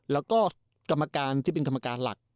แล้วก็กรรมการที่เป็นกรรมการหลัก